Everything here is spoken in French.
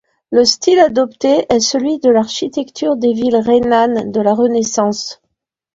Le style adopté est celui de l’architecture des villes rhénanes de la Renaissance.